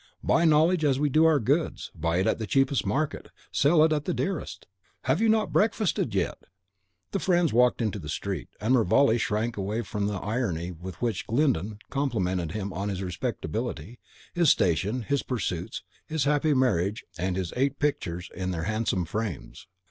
Buy knowledge as we do our goods; buy it at the cheapest market, sell it at the dearest. Have you not breakfasted yet?" The friends walked into the streets, and Mervale shrank from the irony with which Glyndon complimented him on his respectability, his station, his pursuits, his happy marriage, and his eight pictures in their handsome frames.